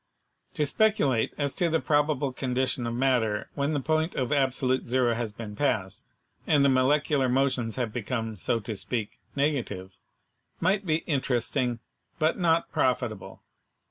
To speculate as to the probable condition of matter when the point of absolute zero has been passed, and the molec ular motions have become, so to speak, negative, might be interesting but not profitable.